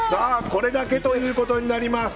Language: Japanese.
これだけということになります。